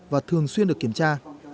và thường xuyên được kiểm tra